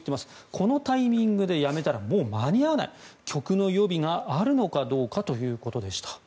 このタイミングで辞めたらもう間に合わない曲の予備があるのかどうかということでした。